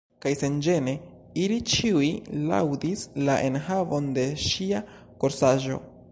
Kaj senĝene, ili ĉiuj laŭdis la enhavon de ŝia korsaĵo.